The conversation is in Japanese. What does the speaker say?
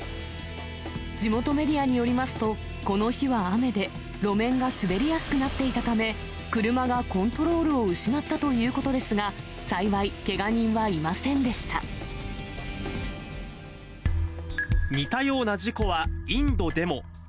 地元メディアによりますと、この日は雨で、路面が滑りやすくなっていたため、車がコントロールを失ったということですが、幸いけが人はいませ似たような事故はインドでも。